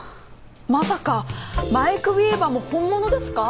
まさかマイク・ウィーバーも本物ですか？